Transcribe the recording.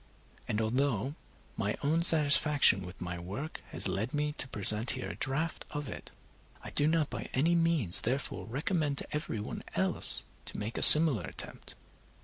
And although my own satisfaction with my work has led me to present here a draft of it, I do not by any means therefore recommend to every one else to make a similar attempt.